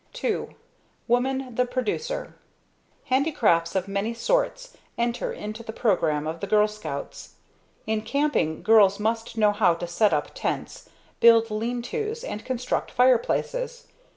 II. Woman, the producer. Handicrafts of many sorts enter into the program of the Girl Scouts. In camping girls must know how to set up tents, build lean tos, and construct fire places.